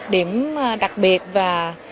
đếm đặc biệt và